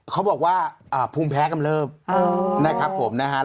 เขาบอกว่าภูมิแพ้กำเริบนะครับผมนะฮะ